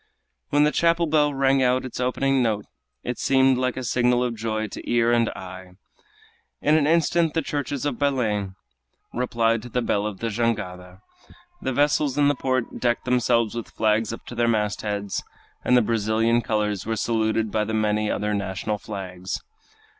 When the chapel bell rang out its opening note it seemed like a signal of joy to ear and eye. In an instant the churches of Belem replied to the bell of the jangada. The vessels in the port decked themselves with flags up to their mastheads, and the Brazilian colors were saluted by the many other national flags.